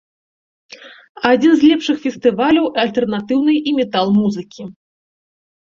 Адзін з лепшых фестываляў альтэрнатыўнай і метал-музыкі.